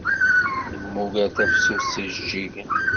Nemmuger tafsut s yijeǧǧigen.